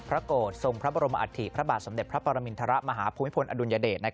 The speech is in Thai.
พระโกศงภพรมอัตฑีพระบาทสำเร็จพระปรมินทรมาหาภูมิพลอดุลญเดชน์